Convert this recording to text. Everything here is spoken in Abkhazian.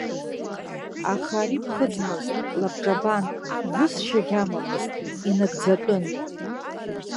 Аха ари ԥхыӡмызт, лабҿабан, высшьагьы амамызт, инагӡатәын.